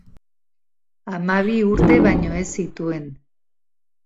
Hamabi urte baino ez zituen.